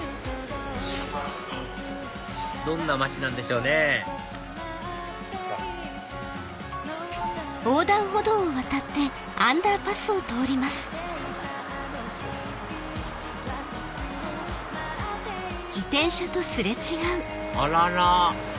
どんな街なんでしょうねあらら！